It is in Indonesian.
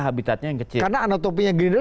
habitatnya yang kecil karena anatopinya gerindra